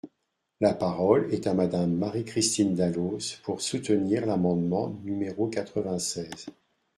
La parole est à Madame Marie-Christine Dalloz, pour soutenir l’amendement numéro quatre-vingt-seize.